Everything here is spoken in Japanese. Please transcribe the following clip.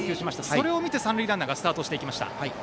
それを見て三塁ランナーがスタートしました。